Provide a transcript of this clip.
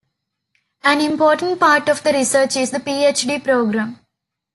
An important part of the research is the PhD program.